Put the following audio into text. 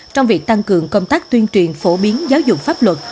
trong việc tăng cường công tác tuyên truyền phổ biến giáo dục pháp luật